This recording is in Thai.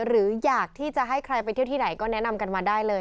หรืออยากที่จะให้ใครไปเที่ยวที่ไหนก็แนะนำกันมาได้เลย